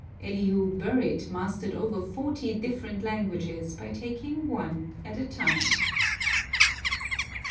Elihu Burritt mastered over forty different languages by taking one at a time.